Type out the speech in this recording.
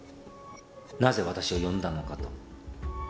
「なぜ私を呼んだのか？と」